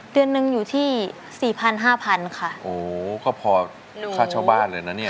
เดือนหนึ่งอยู่ที่สี่พันห้าพันค่ะโหก็พอค่าเช่าบ้านเลยนะเนี่ย